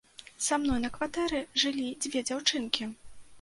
Са мной на кватэры жылі дзве дзяўчынкі.